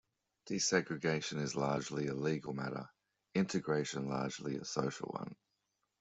Desegregation is largely a legal matter, integration largely a social one.